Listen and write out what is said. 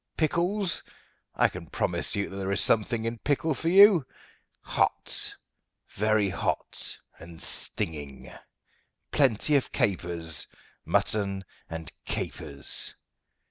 Pickles? I can promise you that there is something in pickle for you, hot very hot and stinging. Plenty of capers mutton and capers.